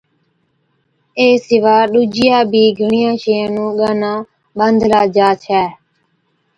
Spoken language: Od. اي سِوا ڏُوجِيا بِي گھڻيان شيان نُون ڳانا ٻانڌلا جا ڇَي